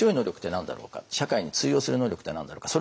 社会に通用する能力って何だろうか。